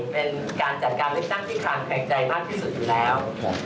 เป็นการจัดการเลือกตั้งที่คลางแคลงใจมากที่สุดอยู่แล้ว